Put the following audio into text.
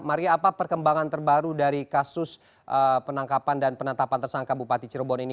maria apa perkembangan terbaru dari kasus penangkapan dan penetapan tersangka bupati cirebon ini